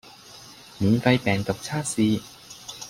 免費病毒測試